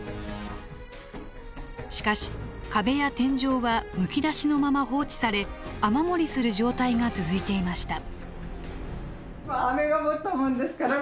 しかし壁や天井はむき出しのまま放置され雨漏りする状態が続いていました。